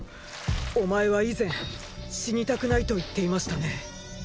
お前は以前死にたくないと言っていましたね。